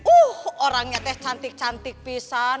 uh orangnya teh cantik cantik pisang